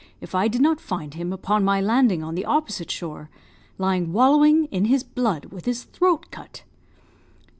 if I did not find him, upon my landing on the opposite shore, lying wallowing in his blood with his throat cut.